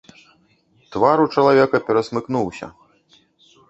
Твар у чалавека перасмыкнуўся.